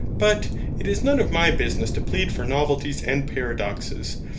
But it is none of my business to plead for novelties and paradoxes.